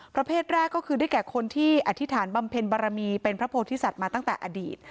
ประเภทแรกก็คือได้แก่คนที่อธิษฐานบำเพ็ญบารมีเป็นพระโพธิสัตว์มาตั้งแต่อดีต